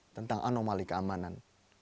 tentang anomali keamanan